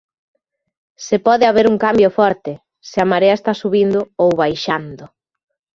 Se pode haber un cambio forte, se a marea está subindo ou baixando.